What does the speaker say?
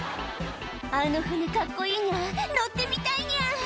「あの船カッコいいニャ乗ってみたいニャ」